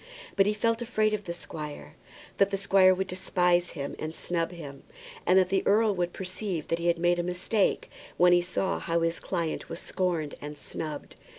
But he felt afraid of the squire, that the squire would despise him and snub him, and that the earl would perceive that he had made a mistake when he saw how his client was scorned and snubbed.